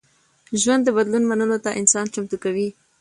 ژوند د بدلون منلو ته انسان چمتو کوي.